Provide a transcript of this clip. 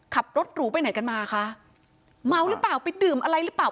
หรูไปไหนกันมาคะเมาหรือเปล่าไปดื่มอะไรหรือเปล่า